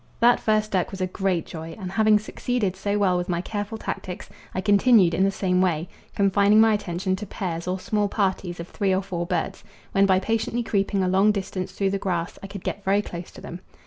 That first duck was a great joy, and having succeeded so well with my careful tactics, I continued in the same way, confining my attention to pairs or small parties of three or four birds, when by patiently creeping a long distance through the grass I could get very close to them.